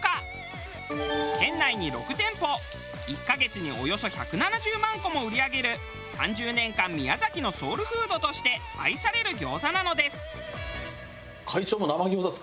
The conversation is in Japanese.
１カ月におよそ１７０万個も売り上げる３０年間宮崎のソウルフードとして愛される餃子なのです。